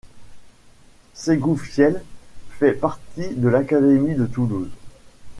Ségoufielle fait partie de l'académie de Toulouse.